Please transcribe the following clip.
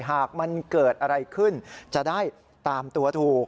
หากมันเกิดอะไรขึ้นจะได้ตามตัวถูก